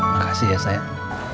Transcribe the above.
makasih ya sayang